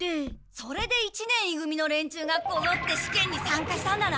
それで一年い組の連中がこぞって試験に参加したんだな。